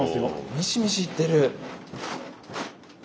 ミシミシいってる。